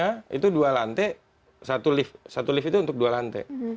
karena itu dua lantai satu lift satu lift itu untuk dua lantai